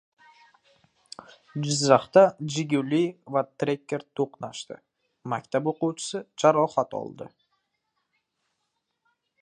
Jizzaxda «Jiguli» va Tracker to‘qnashdi. Maktab o‘quvchisi jarohat oldi